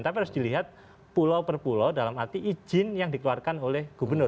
tapi harus dilihat pulau per pulau dalam arti izin yang dikeluarkan oleh gubernur